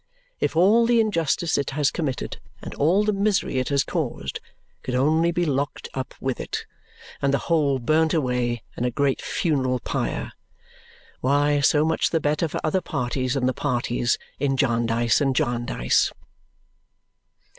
If all the injustice it has committed and all the misery it has caused could only be locked up with it, and the whole burnt away in a great funeral pyre why so much the better for other parties than the parties in Jarndyce and Jarndyce!